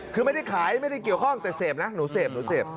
คือไม่ได้ขายไม่ได้เกี่ยวข้องแต่เสพนะหนูเสพหนูเสพ